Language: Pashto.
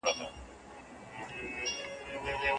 تاسو بايد د سياست پوهني په اړه سمه پوهه ترلاسه کړئ.